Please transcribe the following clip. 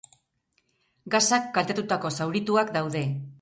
Gasak kaltetutako zaurituak daude.